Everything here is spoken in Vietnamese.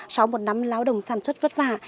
sau một năm lao động sản xuất vất vả